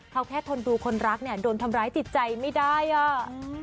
เขาแค่ทนดูคนรักเนี่ยโดนทำร้ายจิตใจไม่ได้อ่ะ